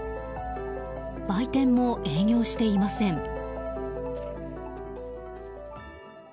売店も営業していません。